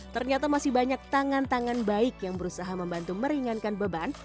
ternyata masih banyak tangan tangan baik yang berusaha membantu meringankan beban